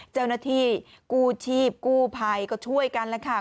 เจ้าหน้าที่กู้ชีพกู้ภัยก็ช่วยกันแล้วค่ะ